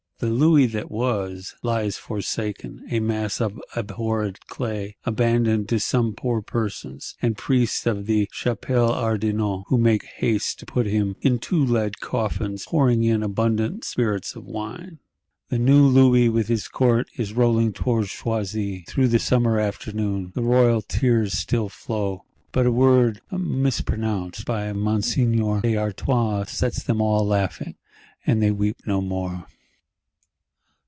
The Louis that was, lies forsaken, a mass of abhorred clay; abandoned "to some poor persons, and priests of the Chapelle Ardente,"—who make haste to put him "in two lead coffins, pouring in abundant spirits of wine." The new Louis with his Court is rolling towards Choisy, through the summer afternoon: the royal tears still flow; but a word mispronounced by Monseigneur d'Artois sets them all laughing, and they weep no more.